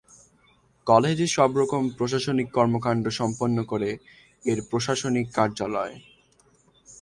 কলেজে সব রকম প্রশাসনিক কর্মকাণ্ড সম্পন্ন করে এর প্রশাসনিক কার্যালয়।